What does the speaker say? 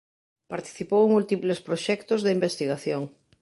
Participou en múltiples proxectos de investigación.